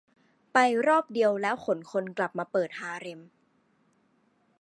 ไปรอบเดียวแล้วขนคนกลับมาเปิดฮาเร็ม